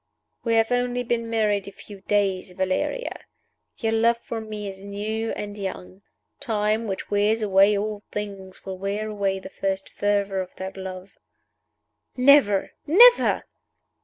"We have only been married a few days, Valeria. Your love for me is new and young. Time, which wears away all things, will wear away the first fervor of that love." "Never! never!"